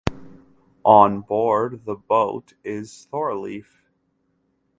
On board the boat is Thorleif.